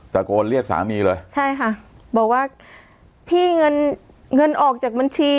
ตะโกนเรียกสามีเลยใช่ค่ะบอกว่าพี่เงินเงินออกจากบัญชี